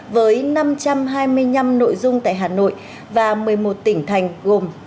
với năm trăm hai mươi năm nội dung tại hà nội và một mươi một tỉnh thành gồm